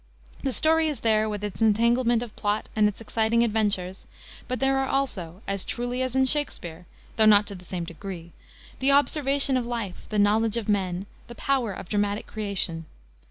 The story is there, with its entanglement of plot and its exciting adventures, but there are also, as truly as in Shakspere, though not in the same degree, the observation of life, the knowledge of men, the power of dramatic creation.